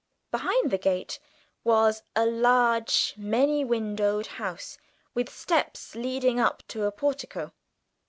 Behind the gate was a large many windowed house, with steps leading up to a portico.